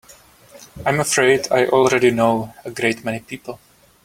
I'm afraid I already know a great many people.